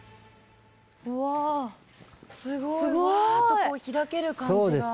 うわすごいわっとこう開ける感じが。